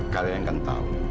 kalian kan tahu